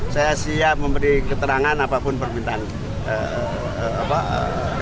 saya siap memberi keterangan apapun permintaan kpk